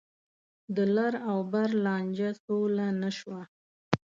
د لر او بر لانجه سوله نه شوه.